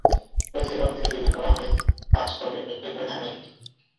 প্রতিটি গল্প থেকে তৈরি করা হবে পাঁচ পর্বের একটি করে ধারাবাহিক।